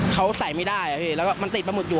เขาใส่ไม่ได้อะพี่แล้วก็มันติดปลาหมึกอยู่